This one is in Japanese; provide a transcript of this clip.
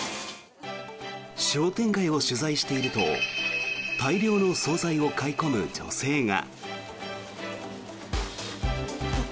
商店街を取材していると大量の総菜を買い込む女性が。